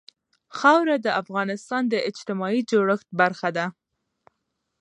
خاوره د افغانستان د اجتماعي جوړښت برخه ده.